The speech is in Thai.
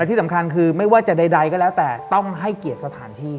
ที่สำคัญคือไม่ว่าจะใดก็แล้วแต่ต้องให้เกียรติสถานที่